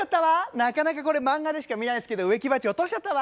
なかなかこれ漫画でしか見ないですけど「植木鉢落としちゃったわ」。